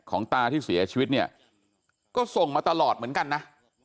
ตาที่เสียชีวิตเนี่ยก็ส่งมาตลอดเหมือนกันนะ